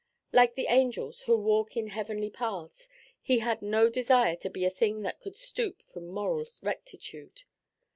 Like the angels, who walk in heavenly paths, he had no desire to be a thing that could stoop from moral rectitude.